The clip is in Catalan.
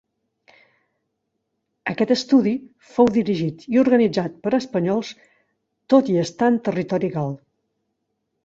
Aquest estudi fou dirigit i organitzat per espanyols tot i estar en territori gal.